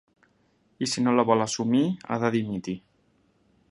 I si no la vol assumir, ha de dimitir.